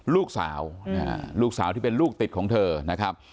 ลูกสาวลูกสาวที่เป็นลูกติดของเธอนะครับ